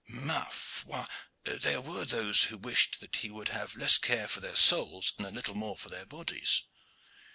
Ma foi! there were those who wished that he would have less care for their souls and a little more for their bodies!"